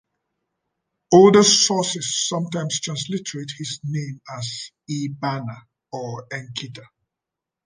Older sources sometimes transliterate his name as Eabani, or Enkita.